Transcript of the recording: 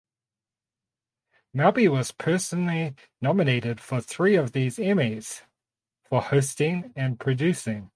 Melby was personally nominated for three of these Emmys (for hosting and producing).